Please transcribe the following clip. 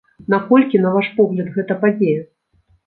Наколькі, на ваш погляд, гэта падзея?